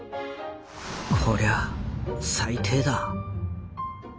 「こりゃ最低だ」。